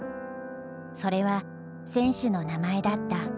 それは選手の名前だった。